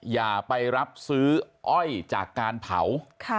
อย่าไปรับซื้ออ้อยจากการเผา